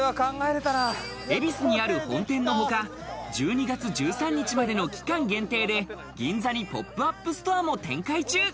恵比寿にある本店のほか、１２月１３日までの期間限定で銀座にポップアップストアも展開中。